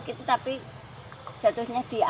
di alas dengarnya